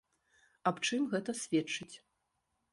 Аб чым гэта сведчыць?